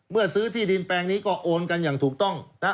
ซื้อที่ดินแปลงนี้ก็โอนกันอย่างถูกต้องนะฮะ